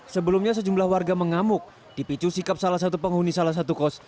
sebelumnya sejumlah warga mengamuk dipicu sikap salah satu penghuni salah satu kos